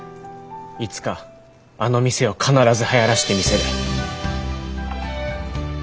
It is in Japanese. いつかあの店を必ずはやらせてみせる。